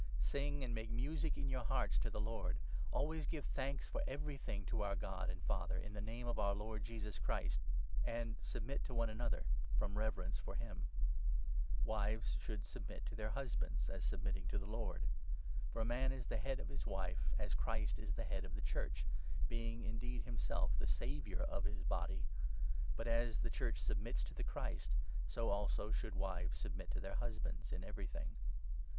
Sing and make music in your hearts to 19 the Lord. Always give thanks for everything to our God and 20 Father, in the Name of our Lord Jesus. Christ ; and submit to 21 one another from reverence for him. Christian Wives should submit to their husbands as sub 22 Family Life, mitting to the Lord. For a man is the Head 23 of his wffe, as the Christ is the Head of the Church — being indeed himself the Saviour of his Body. But as the 24 Church submits to the Christ, so also should wives submit to their husbands in everything.